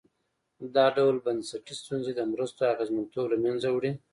دا ډول بنسټي ستونزې د مرستو اغېزمنتوب له منځه وړي.